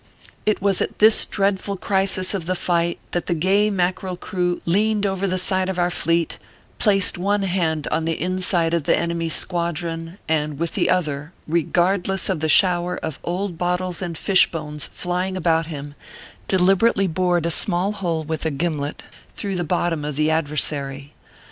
It was at this dreadful crisis of the fight that the gay Mackerel crew leaned over the side of our fleet, placed one hand on the inside of the enemy s squad ron, and with the other, regardless of the shower of old bottles and fish bones flying about him, deliber ately bored a small hole, with a gimlet, through the bottom of the adversary.